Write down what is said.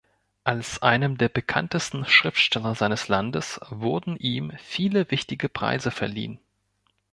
Als einem der bekanntesten Schriftsteller seines Landes wurden ihm viele wichtige Preise verliehen.